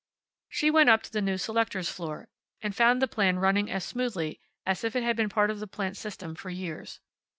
She went up to the new selectors' floor, and found the plan running as smoothly as if it had been part of the plant's system for years.